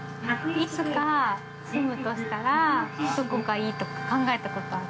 ◆いつか、住むとしたらどこがいいとか考えたことある？